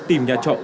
tìm nhà trọ